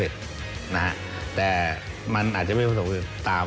ก็คือคุณอันนบสิงต์โตทองนะครับ